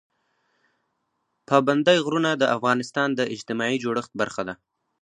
پابندی غرونه د افغانستان د اجتماعي جوړښت برخه ده.